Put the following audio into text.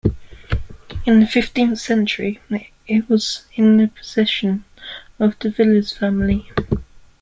In the fifteenth century, it was in the possession of the Villars family.